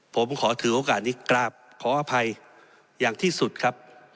ผมขอถือโอกาสนี้กราบขออภัยอย่างที่สุดครับ